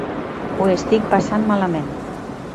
Ho estic passant malament.